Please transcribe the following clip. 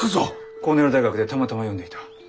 コーネル大学でたまたま読んでいた。